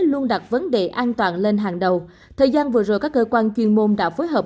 luôn đặt vấn đề an toàn lên hàng đầu thời gian vừa rồi các cơ quan chuyên môn đã phối hợp